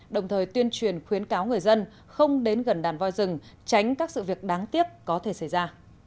đồng thời tuyên truyền khuyến cáo người dân không đến gần đàn voi rừng tránh các sự việc đáng tiếc có thể xảy ra